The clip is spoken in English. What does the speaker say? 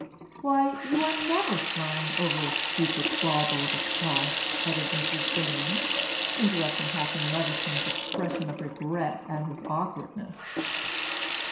"Why! You are never crying over a stupid bauble of a cross!" uttered Mrs. Vane, interrupting Captain Levison's expression of regret at his awkwardness.